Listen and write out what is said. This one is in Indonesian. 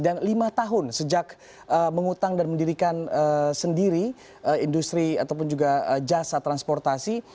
dan lima tahun sejak menghutang dan mendirikan sendiri industri ataupun juga jasa transportasi